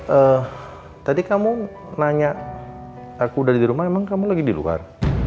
eh tadi kamu nanya aku udah di rumah emang kamu lagi di luar